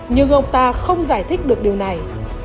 nhưng ông ta không giải thích được điều này